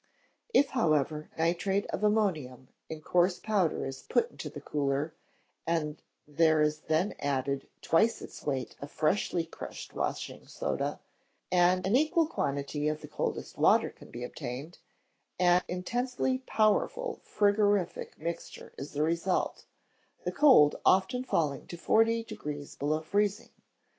If, however, nitrate of ammonium in coarse powder is put into the cooler, and there is then added twice its weight of freshly crushed washing soda, and an equal quantity of the coldest water that can be obtained, an intensely powerful frigorific mixture is the result, the cold often falling to forty degrees below freezing.